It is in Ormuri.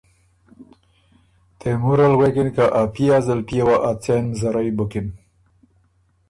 تېمور ال غوېکِن که ا پئے ا زلپئے وه ا څېن مزرئ بُکِن